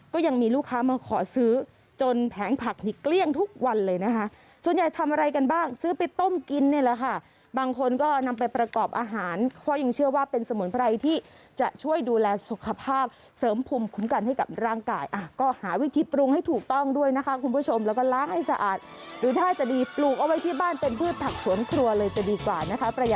ก็ยังมีลูกค้ามาขอซื้อจนแผงผักหิดเกลี้ยงทุกวันเลยนะคะส่วนใหญ่ทำอะไรกันบ้างซื้อไปต้มกินเนี่ยละค่ะบางคนก็นำไปประกอบอาหารเพราะยังเชื่อว่าเป็นสมุนไพรที่จะช่วยดูแลสุขภาพเสริมภูมิคุ้มกันให้กับร่างกายก็หาวิธีปรุงให้ถูกต้องด้วยนะคะคุณผู้ชมแล้วก็ล้างให้สะอาดหรือถ้าจะดีปล